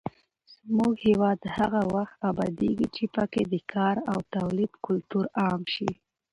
زموږ هېواد هغه وخت ابادېږي چې پکې د کار او تولید کلتور عام شي.